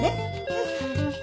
うん。